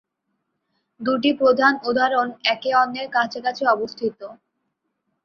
দুটি প্রধান উদাহরণ একে অন্যের কাছাকাছি অবস্থিত।